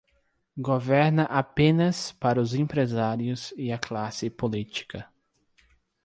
Governa apenas para os empresários e a classe política